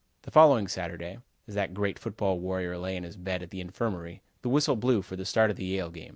The following Saturday, as that great football warrior lay in his bed at the infirmary, the whistle blew for the start of the Yale game.